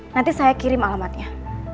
nanti saya kirim alamatnya